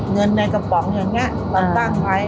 เงินในกระป๋องอย่างนี้เราตั้งไว้